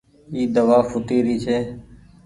اي دوآ ڦوٽي ري ڇي۔